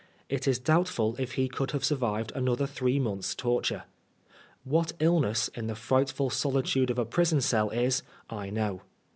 It is doubtful if he could have survived another three months' torture. What illness in the frightful solitude of a prison cell is I know.